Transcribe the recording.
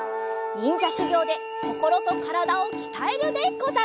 にんじゃしゅぎょうでこころとからだをきたえるでござる！